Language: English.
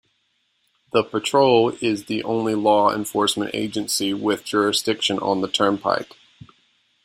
The Patrol is the only law enforcement agency with jurisdiction on the turnpike.